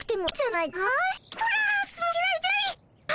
あ！